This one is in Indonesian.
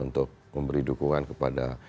untuk memberi dukungan kepada